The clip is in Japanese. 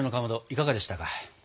いかがでしたか？